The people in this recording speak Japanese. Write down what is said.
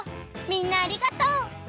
みんなありがとう！